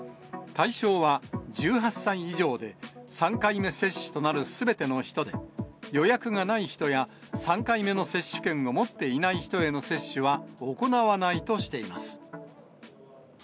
対象は１８歳以上で、３回目接種となるすべての人で、予約がない人や、３回目の接種券を持っていない人への接種は行わないとしています。